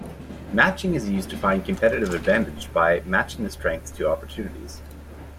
Matching is used to find competitive advantage by matching the strengths to opportunities.